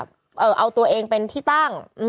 เพราะว่าเขาเองเป็นที่ตั้ง